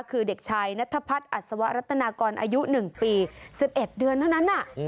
คือเด็กชายนัทพัฒน์อัศวรัตนากรอายุ๑ปี๑๑เดือนเท่านั้น